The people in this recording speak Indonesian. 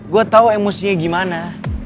gue tau emosinya gimana